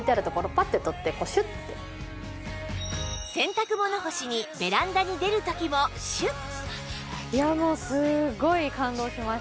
洗濯物干しにベランダに出る時もシュッ